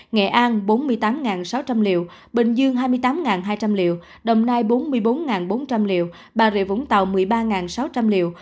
nghệ an bốn mươi tám sáu trăm linh liều bình dương hai mươi tám hai trăm linh liều đồng nai bốn mươi bốn bốn trăm linh liều bà rịa vũng tàu một mươi ba liều